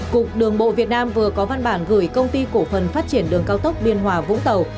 cục đường bộ việt nam vừa có văn bản gửi công ty cổ phần phát triển đường cao tốc biên hòa vũng tàu